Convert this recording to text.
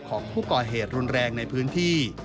ของผู้ก่อเหตุรุนแรงในพื้นที่